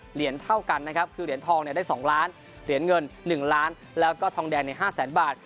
เหรียญเท่ากันนะครับคือเหรียญทองได้๒ล้านเหรียญเงิน๑ล้านแล้วก็ทองแดงใน๕แสนบาท